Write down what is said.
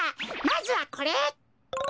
まずはこれ。